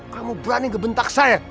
kamu berani ngebentak saya